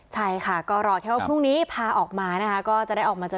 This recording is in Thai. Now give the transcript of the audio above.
ใช่ค่ะก็รอแค่ว่าพรุ่งนี้พาออกมานะคะก็จะได้ออกมาเจอ